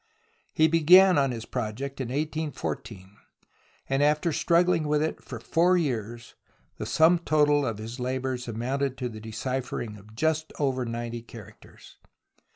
He began on his project in 1814 and, after struggHng with it for four years, the sum total of his labours amounted to the deciphering of just over ninety characters.